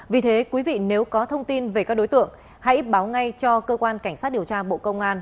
vì thế quý vị nếu có thông tin về các đối tượng hãy báo ngay cho cơ quan cảnh sát điều tra bộ công an